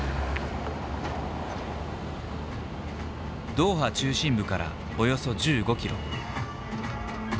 ドーハ中心部からおよそ１５キロ。